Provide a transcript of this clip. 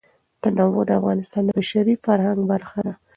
تنوع د افغانستان د بشري فرهنګ برخه ده.